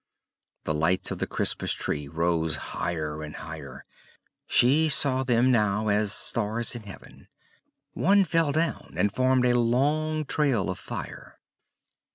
The lights of the Christmas tree rose higher and higher, she saw them now as stars in heaven; one fell down and formed a long trail of fire.